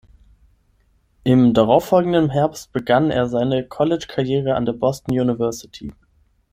Im darauffolgenden Herbst begann er seine Collegekarriere an der Boston University.